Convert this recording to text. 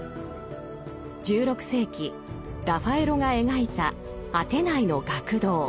１６世紀ラファエロが描いた「アテナイの学堂」。